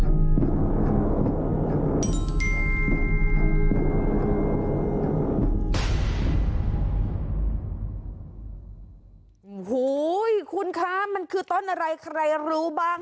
โอ้โหคุณคะมันคือต้นอะไรใครรู้บ้าง